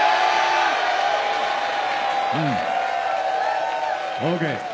うん。ＯＫ。